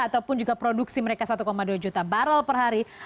ataupun juga produksi mereka satu dua juta barrel per hari